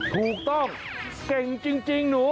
ถูกต้องเก่งจริงหนู